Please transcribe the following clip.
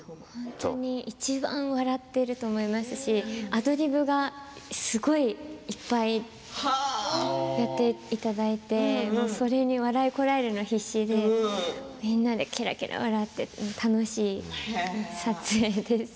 いちばん笑ってると思いますしアドリブがすごいいっぱいやっていただいてそれに笑いをこらえるのが必死でみんなでけらけら笑って楽しい撮影です。